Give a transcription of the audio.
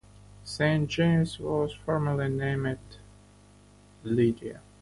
Saint James was formerly named Lydia.